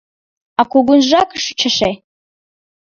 А кугунжак ыш ӱчаше.